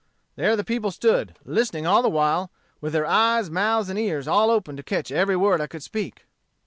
There the people stood, listening all the while, with their eyes, mouths, and ears all open to catch every word I could speak.